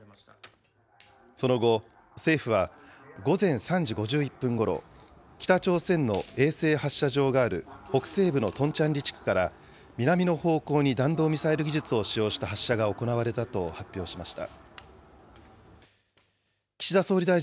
その後、政府は、午前３時５１分ごろ、北朝鮮の衛星発射場がある北西部のトンチャンリ地区から南の方向に弾道ミサイル技術を使用した発射が行われたと発表しました。